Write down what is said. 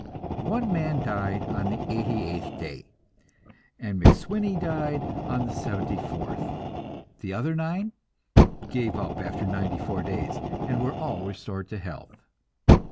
One man died on the eighty eighth day, and MacSwiney died on the seventy fourth. The other nine gave up after ninety four days and were all restored to health.